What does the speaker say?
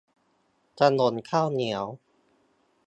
ถนนข้าวเหนียว